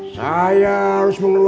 saya harus mengetahui